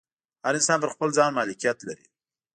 هر انسان پر خپل ځان مالکیت لري.